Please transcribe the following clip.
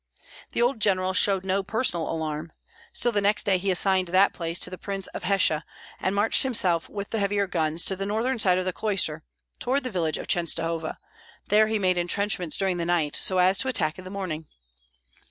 The old general showed no personal alarm; still the next day he assigned that place to the Prince of Hesse, and marched himself with the heavier guns to the northern side of the cloister, toward the village of Chenstohova; there he made intrenchments during the night, so as to attack in the morning.